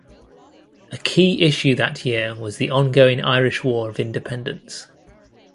A key issue that year was the ongoing Irish War of Independence.